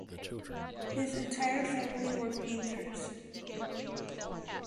His entire family were painters.